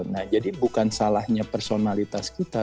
nah jadi bukan salahnya personalitas kita